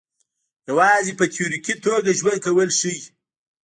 یوازې په تیوریکي توګه ژوند کول ښه وي.